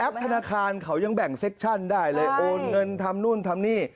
ธนาคารเขายังแบ่งเซ็กชั่นได้เลยโอนเงินทำนู่นทำนี่